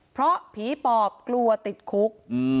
เพราะผีปอบกลัวติดคุก